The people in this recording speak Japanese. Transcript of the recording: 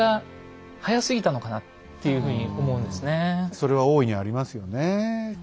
それは大いにありますよね。